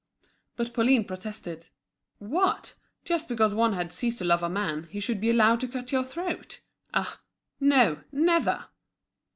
But Pauline protested. What! just because one had ceased to love a man, he should be allowed to cut your throat? Ah! no, never!